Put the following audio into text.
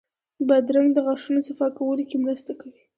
بادرنګ د غاښونو صفا کولو کې مرسته کوي.